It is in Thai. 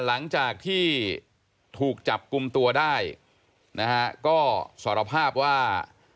หลังจากที่ถูกจับกลุ่มตัวได้นะฮะก็สารภาพว่า